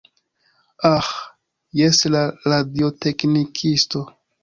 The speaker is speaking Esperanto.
Aĥ, jes, la radioteknikisto.